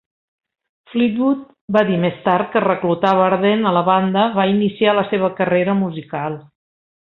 Fleetwood va dir més tard que reclutar Barden a la banda va iniciar la seva carrera musical.